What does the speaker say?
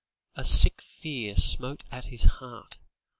A sick fear smote at his heart.